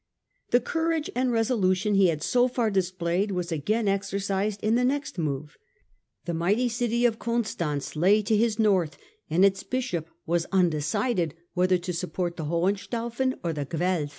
The courage and resolution he had so far displayed were again exercised in the next move. The mighty city of Constance lay to his north, and its Bishop was un decided whether to support the Hohenstaufen or the Guelf.